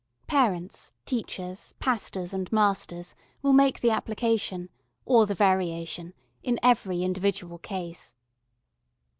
Parents, teachers, pastors and masters will make the application or the variation in every individual case.